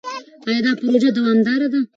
ایا دا پروژه دوامداره ده؟